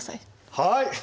はい。